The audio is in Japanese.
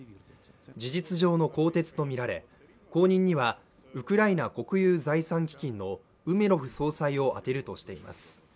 事実上の更迭とみられ、後任にはウクライナ国有財産基金のウメロフ総裁を充てるとしています。